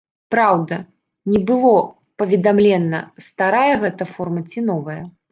Праўда, не было паведамлена, старая гэта форма ці новая.